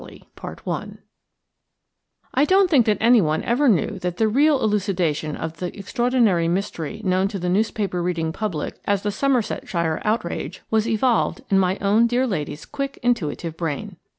VA DAY'S FOLLY I DON'T think that anyone ever knew that the real eludication of the extraordinary mystery known to the newspaper reading public as the "Somersetshire Outrage" was evolved in my own dear lady's quick, intuitive brain.